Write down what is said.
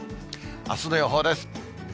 あすの予報です。